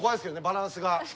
バランスが。